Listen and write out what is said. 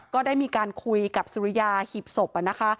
ก็ได้มีการคุยกับสุริยาหีบศพนะคะ